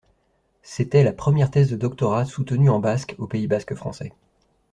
C'était la première thèse de doctorat soutenue en basque au Pays basque français.